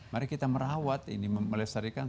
mari kita merawat ini melestarikan